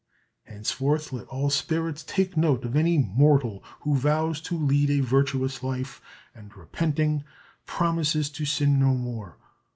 henceforth let all spirits take note of any mortal who vows to lead a virtuous life and, repenting, promises to sin no more.